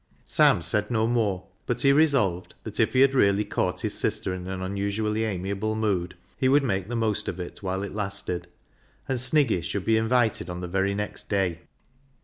Sam said no more, but he resolved that if he had really caught his sister in an unusually amiable mood he would malce the most of it whilst it lasted, and Sniggy should be invited on the very next day.